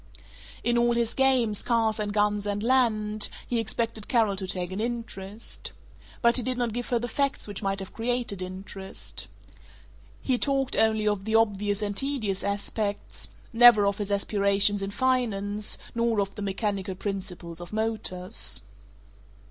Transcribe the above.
In all his games, cars and guns and land, he expected Carol to take an interest. But he did not give her the facts which might have created interest. He talked only of the obvious and tedious aspects; never of his aspirations in finance, nor of the mechanical principles of motors.